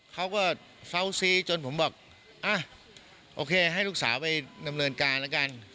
เขาก็เซาซีจนผมบอกโอเคให้ลูกสาวไปนำเรือนการละกัน